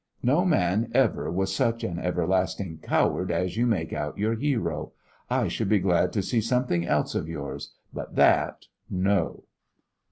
No man ever was such an everlasting coward as you make out your hero! I should be glad to see something else of yours but that, no!"